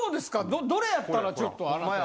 どれやったらちょっとあなた。